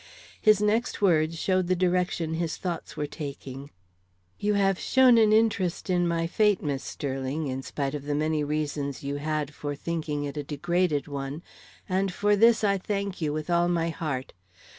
His next words showed the direction his thoughts were taking. "You have shown an interest in my fate, Miss Sterling, in spite of the many reasons you had for thinking it a degraded one, and for this I thank you with all my heart.